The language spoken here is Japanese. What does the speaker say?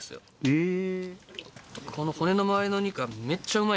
へえ。